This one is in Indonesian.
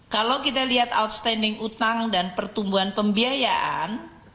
kalau kita lihat outstanding utang dan pertumbuhan pembiayaan